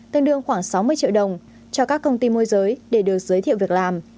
tương đương khoảng sáu mươi triệu đồng cho các công ty môi giới để được giới thiệu việc làm